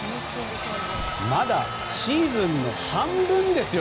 まだシーズンの半分ですよ